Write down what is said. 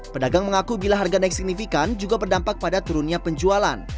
pedagang mengaku bila harga naik signifikan juga berdampak pada turunnya penjualan